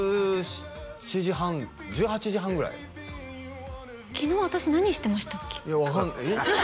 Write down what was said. １７時半１８時半ぐらい昨日私何してましたっけ？